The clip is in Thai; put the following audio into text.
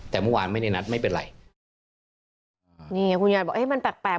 แต่เมื่อวานไม่ได้นัดไม่เป็นไรนี่ไงคุณยายบอกเอ๊ะมันแปลกแปลก